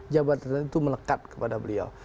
jabatan itu melekat kepada beliau